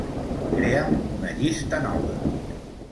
Crea'm una llista nova.